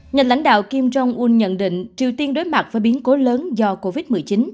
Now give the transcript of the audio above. nhà lãnh đạo kim jong un nhận định triều tiên đối mặt với biến cố lớn do covid một mươi chín